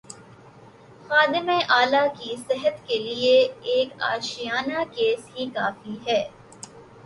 خادم اعلی کی صحت کیلئے یہ ایک آشیانہ کیس ہی کافی ہے۔